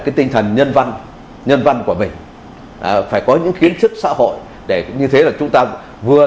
cái tinh thần nhân văn nhân văn của mình phải có những kiến thức xã hội để như thế là chúng ta vừa